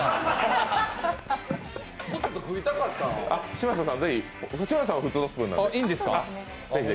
嶋佐さんはぜひ、嶋佐さんは普通のスプーンなので。